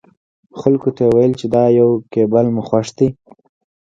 خلکو ته يې ويل چې دا کېبل مو خوښ دی.